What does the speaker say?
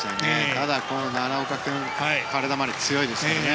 ただ、奈良岡君体回りが強いですからね。